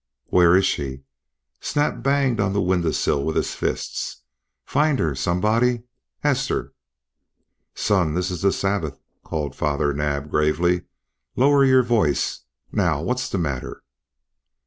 "Where is she?" Snap banged on the window sill with his fists. "Find her, somebody Hester!" "Son, this is the Sabbath," called Father Naab, gravely. "Lower your voice. Now what's the matter?"